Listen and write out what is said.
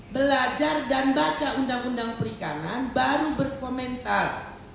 belajar dan baca undang undang perikanan baru berkomentar